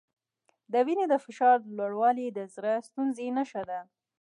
د وینې د فشار لوړوالی د زړۀ ستونزې نښه ده.